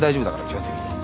基本的に。